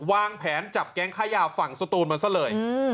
วางแผนจับแก๊งค้ายาวฝั่งศัตรูนบันเสียเลย